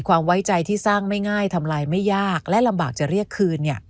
ไว้ใจที่สร้างไม่ง่ายทำลายไม่ยากและลำบากจะเรียกคืน